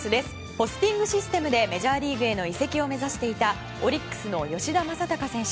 ポスティングシステムでメジャーリーグへの移籍を目指していたオリックスの吉田正尚選手。